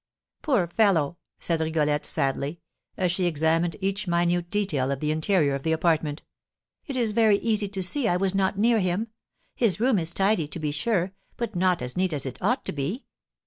"Poor fellow!" said Rigolette, sadly, as she examined each minute detail of the interior of the apartment; "it is very easy to see I was not near him. His room is tidy, to be sure, but not as neat as it ought to be.